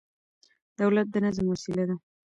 دولت د نظم وسيله ده.